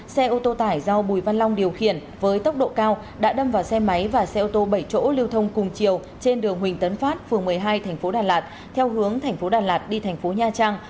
xe ô tô tải do bùi văn long điều khiển với tốc độ cao đã đâm vào xe máy và xe ô tô bảy chỗ lưu thông cùng chiều trên đường huỳnh tấn phát phường một mươi hai tp đà lạt theo hướng thành phố đà lạt đi thành phố nha trang